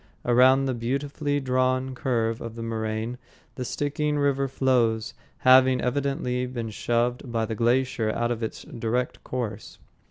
Around the beautifully drawn curve of the moraine the Stickeen River flows, having evidently been shoved by the glacier out of its direct course.